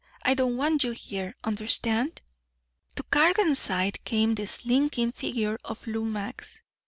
I don't want you here. Understand?" To Cargan's side came the slinking figure of Lou Max.